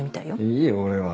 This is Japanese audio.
いいよ俺は。